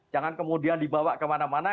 jangan kemudian dibawa kemana mana